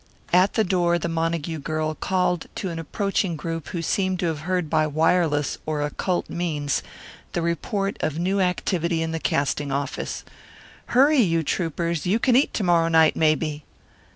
At the door the Montague girl called to an approaching group who seemed to have heard by wireless or occult means the report of new activity in the casting office. "Hurry, you troupers. You can eat to morrow night, maybe!"